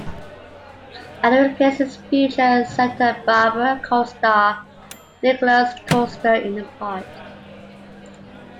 Allan replaced his future "Santa Barbara" co-star Nicolas Coster in the part.